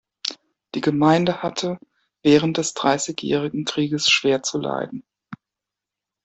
Die Gemeinde hatte während des Dreißigjährigen Krieges schwer zu leiden.